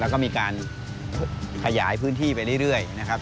แล้วก็มีการขยายพื้นที่ไปเรื่อยนะครับ